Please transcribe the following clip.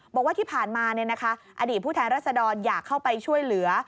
บอกว่าที่ผ่านมาอดีตผู้แทนรัศดรอยากเข้าไปช่วยเหลือ